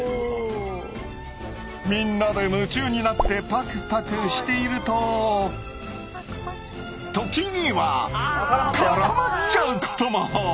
みんなで夢中になってパクパクしていると時には絡まっちゃうことも。